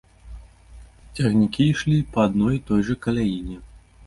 Цягнікі ішлі па адной і той жа каляіне.